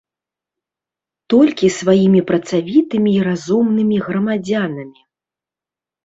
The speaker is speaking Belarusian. Толькі сваімі працавітымі і разумнымі грамадзянамі.